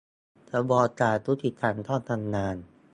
กระบวนยุติธรรมต้องทำงาน